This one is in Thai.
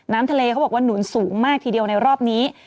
น้ำทะเลเขาบอกว่าหนุนสูงมากทีเดียวในรอบนี้